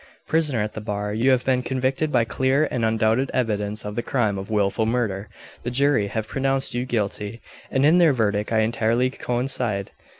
"Prisoner at the bar. You have been convicted by clear and undoubted evidence of the crime of wilful murder. The jury have pronounced you guilty; and in their verdict I entirely coincide.